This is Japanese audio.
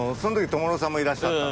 トモロヲさんもいらっしゃった。